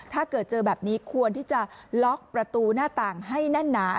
ถ้าเกิดเจอแบบนี้ควรที่จะล็อกประตูหน้าต่างให้แน่นหนา